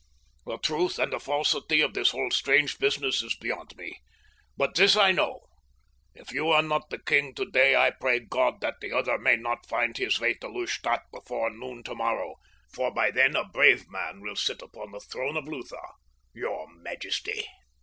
"The truth and the falsity of this whole strange business is beyond me, but this I know: if you are not the king today I pray God that the other may not find his way to Lustadt before noon tomorrow, for by then a brave man will sit upon the throne of Lutha, your majesty."